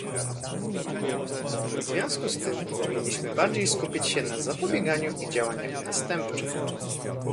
W związku z tym powinniśmy bardziej skupić się na zapobieganiu i działaniach następczych